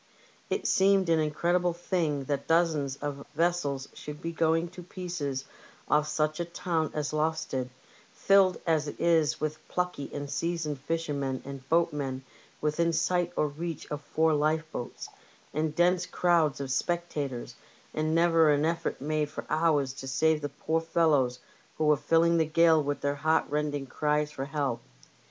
It seemed an incredible thing that some dozens of vessels should be going to pieces oflf such a town as Lowestoft, filled as it is with plucky and seasoned fishermen and boatmen, within sight or reach of four lifeboats, and dense crowds of spectators, and never an effort made for hours to save the poor fellows who were filling the gale with their heart rending cries for help.